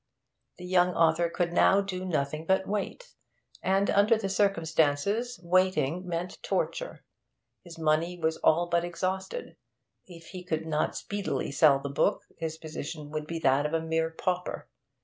The young author could now do nothing but wait, and, under the circumstances, waiting meant torture. His money was all but exhausted; if he could not speedily sell the book, his position would be that of a mere pauper.